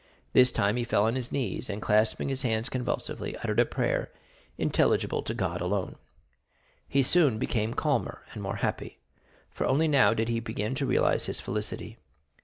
This time he fell on his knees, and, clasping his hands convulsively, uttered a prayer intelligible to God alone. He soon became calmer and more happy, for only now did he begin to realize his felicity.